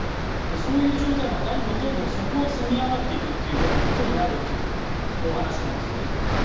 そういう状態がどんどんそこが積み上がっていくということになるというお話なんですね。